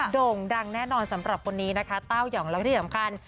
โด่งดังแน่นอนสำหรับคนนี้นะคะเต้ายองแล้วที่สำคัญ